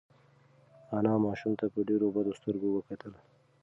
انا ماشوم ته په ډېرو بدو سترګو وکتل.